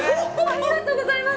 ありがとうございます！